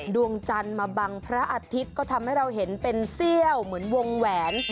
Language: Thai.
ดวงจันทร์มาบังพระอาทิตย์ก็ทำให้เราเห็นเป็นเซี่ยวเหมือนวงแหวน